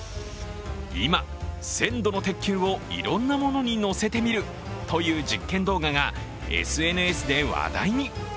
今、１０００度の鉄球をいろんなものに載せてみるという実験動画がＳＮＳで話題に。